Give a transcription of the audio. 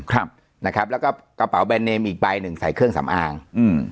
ครับนะครับแล้วก็กระเป๋าแบรนเนมอีกใบหนึ่งใส่เครื่องสำอางอืม